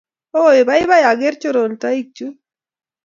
oooi baibai aker chorontoik chuu